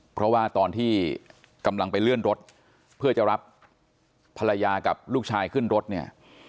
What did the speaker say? เพราะว่าตอนที่กำลังไปเลื่อนรถเพื่อจะรับภรรยากับลูกชายขึ้นรถเนี่ย